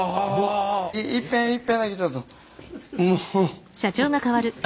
いっぺんいっぺんだけちょっと。